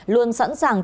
luôn sẵn sàng